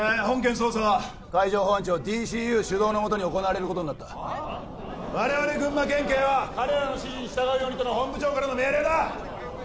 本件捜査は海上保安庁ＤＣＵ主導のもとに行われることになった我々群馬県警は彼らの指示に従うようにとの本部長からの命令だ！